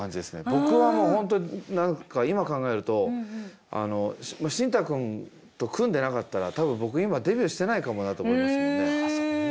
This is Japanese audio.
僕はもう本当何か今考えるとシンタくんと組んでなかったら多分僕今デビューしてないかもなと思いますもんね。